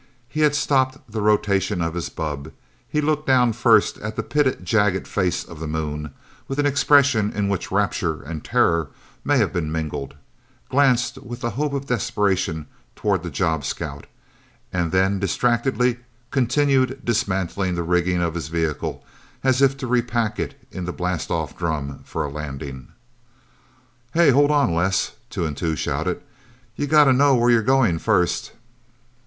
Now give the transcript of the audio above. He had stopped the rotation of his bubb. He looked down first at the pitted, jagged face of the Moon, with an expression in which rapture and terror may have been mingled, glanced with the hope of desperation toward the job scout, and then distractedly continued dismantling the rigging of his vehicle, as if to repack it in the blastoff drum for a landing. "Hey hold on, Les!" Two and Two shouted. "You gotta know where you're going, first!"